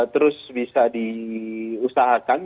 terus bisa diusahakan